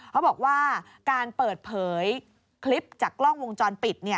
เขาบอกว่าการเปิดเผยคลิปจากกล้องวงจรปิด